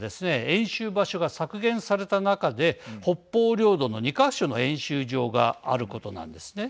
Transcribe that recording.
演習場所が削減された中で北方領土の２か所の演習場があることなんですね。